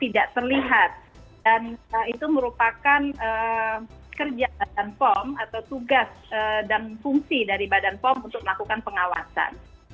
dan itu merupakan kerja bepom atau tugas dan fungsi dari bepom untuk melakukan pengawasan